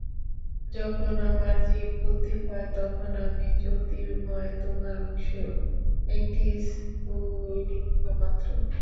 যখন আমার জীব-বুদ্ধি হয়, তখন আমি জ্যোতির্ময় তোমার অংশ, একটি স্ফুলিঙ্গ মাত্র।